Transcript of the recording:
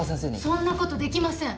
そんな事できません。